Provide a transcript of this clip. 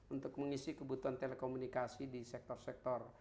untuk mengisi kebutuhan telekomunikasi di sektor sektor